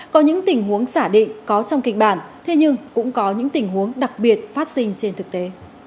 có những tình huống giả định có trong kịch bản thế nhưng cũng có những tình huống đặc biệt phát sinh trên thực tế